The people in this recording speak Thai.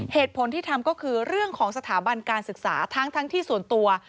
เหตุผลที่ทำก็คือเรื่องของสถาบันการศึกษาทั้งที่ส่วนตัว